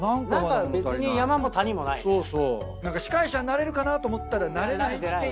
何か司会者になれるかなと思ったらなれないっていう。